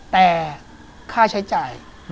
แต่ค่าใช้จ่าย